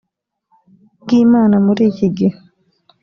bw imana muri iki gihe